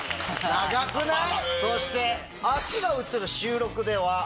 長くない？